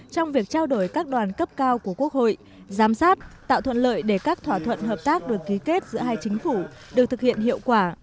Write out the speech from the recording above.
trong việc trao đổi các đoàn cấp cao của quốc hội giám sát tạo thuận lợi để các thỏa thuận hợp tác được ký kết giữa hai chính phủ được thực hiện hiệu quả